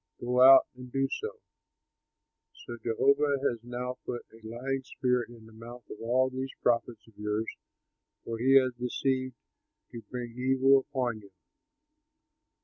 Go out and do so.' So Jehovah has now put a lying spirit in the mouth of all these prophets of yours, for he has decided to bring evil upon you."